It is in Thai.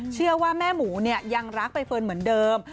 เชื่อว่าแม่หมูยังรักใบเฟิร์นเหมือนเดิม